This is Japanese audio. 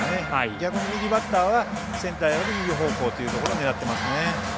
逆に右バッターはセンターより右方向というところを狙っていますね。